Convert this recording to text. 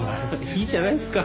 いいじゃないですか。